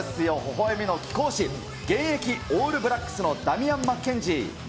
ほほえみの貴公子、現役オールブラックスのダミアン・マッケンジー。